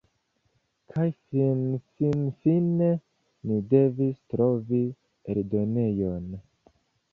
Kaj finfinfine ni devis trovi eldonejon.